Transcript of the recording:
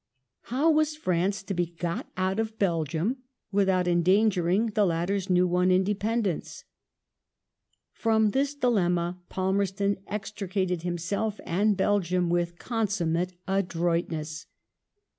How was France to be got out of Belgium without endangering the latter's new won independence ? From this dilemma Palmerston extricated himself and Belgium with consummate adroitness.